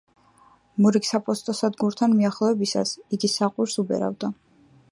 მორიგ საფოსტო სადგურთან მიახლოებისას, იგი საყვირს უბერავდა.